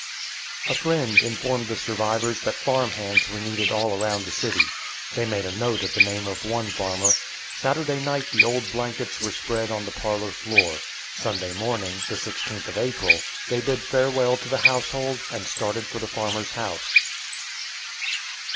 A friend informed the survivors that farm hands were needed all around the city. They made a note of the name of one farmer. Saturday night the old blankets were spread on the parlor floor. Sunday morning, the 16th of April, they bid farewell to the household, and started for the farmer's house.